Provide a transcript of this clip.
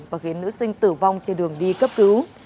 và khiến nữ sinh tử vong trên đường đi cấp cứu